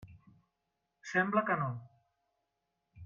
Sembla que no.